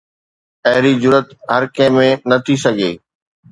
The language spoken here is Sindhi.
اهڙي جرئت هر ڪنهن ۾ نه ٿي سگهي.